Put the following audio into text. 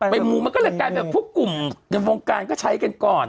ไปมูมันก็การแบบว่าแบบคนขึ้นกรุงงานบรรยีบต่างกดจ้วยกันก่อน